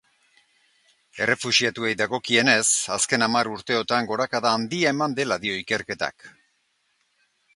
Errefuxiatuei dagokienez, azken hamar urteotan gorakada handia eman dela dio ikerketak.